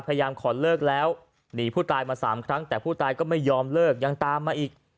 พยายามขอเลิกแล้วหนีผู้ตายมาสามครั้งแต่ผู้ตายก็ไม่ยอมเลิกยังตามมาอีก